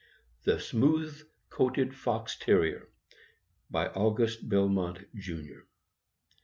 THE SMOOTH COATED FOX TERRIER BY AUGUST BELMONT, JR.